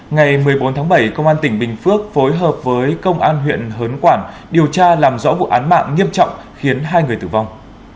ngày một mươi bốn tháng bảy công an tỉnh bình phước phối hợp với công an huyện hớn quản điều tra làm rõ vụ án mạng nghiêm trọng khiến hai người tử vong